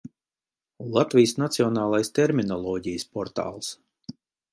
Latvijas Nacionālais terminoloģijas portāls